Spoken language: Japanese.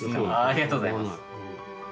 ありがとうございます。